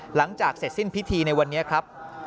หลังจากเสร็จสิ้นพิธีในวันนี้ครับ